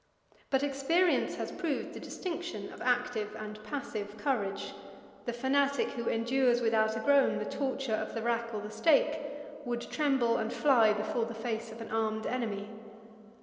But experience has proved the distinction of active and passive courage; the fanatic who endures without a groan the torture of the rack or the stake, would tremble and fly before the face of an armed enemy.